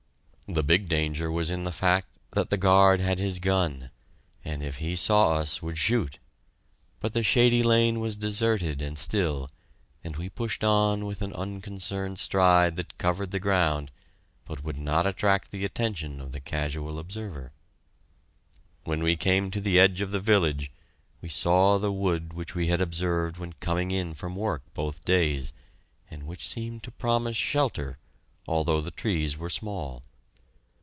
The big danger was in the fact that the guard had his gun, and if he saw us would shoot, but the shady lane was deserted and still, and we pushed on with an unconcerned stride that covered the ground, but would not attract the attention of the casual observer. When we came to the edge of the village, we saw the wood which we had observed when coming in from work both days, and which seemed to promise shelter, although the trees were small.